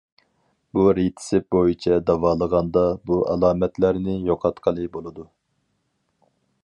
بۇ رېتسېپ بويىچە داۋالىغاندا، بۇ ئالامەتلەرنى يوقاتقىلى بولىدۇ.